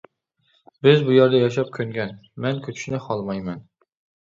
بىز بۇ يەردە ياشاپ كۆنگەن، مەن كۆچۈشنى خالىمايمەن.